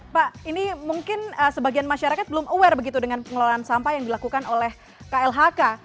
pak ini mungkin sebagian masyarakat belum aware begitu dengan pengelolaan sampah yang dilakukan oleh klhk